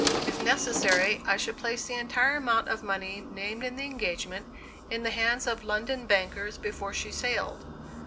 If necessary, I should place the entire amount of money named in the engagement in the hands of London bankers before she sailed.